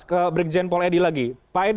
ke brigjen paul edy lagi pak edy